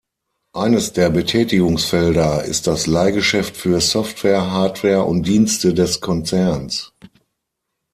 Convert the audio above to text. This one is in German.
Eines der Betätigungsfelder ist das Leihgeschäft für Software, Hardware und Dienste des Konzerns.